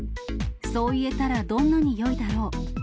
そう言えたらどんなによいだろう。